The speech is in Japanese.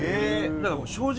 だから正直。